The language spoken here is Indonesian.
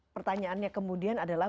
pertanyaannya kemudian adalah